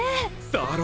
だろ？